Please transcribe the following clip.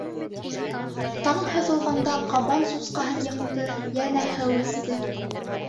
— Таң һыҙылғанда ҡабан сусҡаһын йыҡты, йәнә һыу эсте.